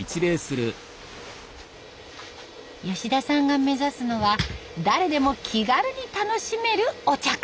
吉田さんが目指すのは誰でも気軽に楽しめるお茶会。